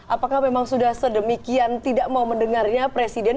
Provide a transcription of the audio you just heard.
apakah memang sudah sedemikian tidak mau mendengarnya presiden